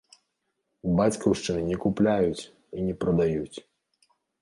Бацькаўшчыны не купляюць і не прадаюць